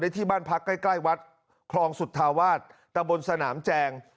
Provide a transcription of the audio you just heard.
ที่บ้านพักใกล้ใกล้วัดคลองสุธาวาสตะบนสนามแจง